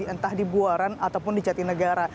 entah di buaran ataupun di jati negara